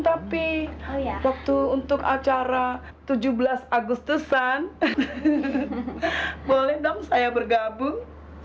tapi waktu untuk acara tujuh belas agustusan boleh dong saya bergabung